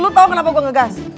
lo tau kenapa gue ngegas